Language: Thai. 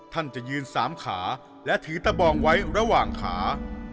ท่านจะยืนสามขาและถือตะบองไว้ระหว่างขา